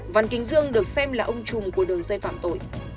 văn kính dương được xem là ông trùng của đường dây phạm tội